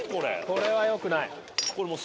これはよくない。